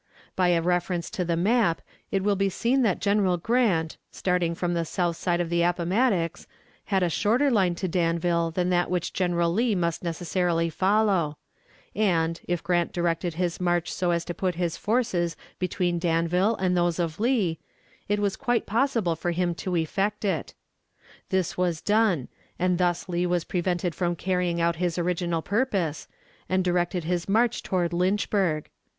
By a reference to the map, it will be seen that General Grant, starting from the south side of the Appomattox, had a shorter line to Danville than that which General Lee must necessarily follow, and, if Grant directed his march so as to put his forces between Danville and those of Lee, it was quite possible for him to effect it. This was done, and thus Lee was prevented from carrying out his original purpose, and directed his march toward Lynchburg.